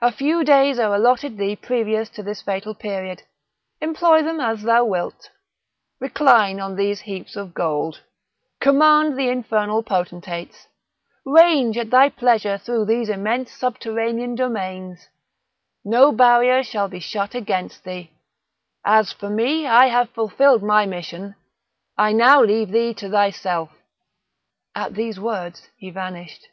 A few days are allotted thee previous to this fatal period; employ them as thou wilt; recline on these heaps of gold; command the Infernal Potentates; range at thy pleasure through these immense subterranean domains; no barrier shall be shut against thee; as for me, I have fulfilled my mission; I now leave thee to thyself." At these words he vanished.